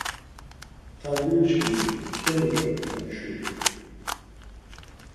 Tangri çkimi kemiç̌opi ha şuri.